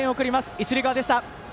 一塁側でした。